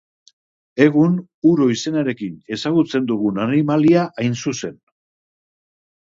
Egun uro izenarekin ezagutzen dugun animalia hain zuzen.